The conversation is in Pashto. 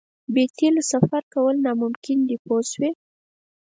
بې تیلو سفر کول ناممکن دي پوه شوې!.